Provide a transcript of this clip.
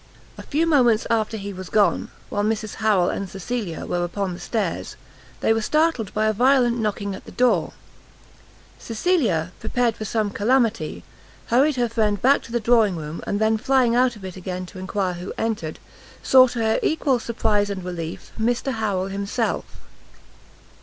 A few moments after he was gone, while Mrs Harrel and Cecilia were upon the stairs, they were startled by a violent knocking at the door; Cecilia, prepared for some calamity, hurried her friend back to the drawing room, and then flying out of it again to enquire who entered, saw to her equal surprize and relief, Mr Harrel himself.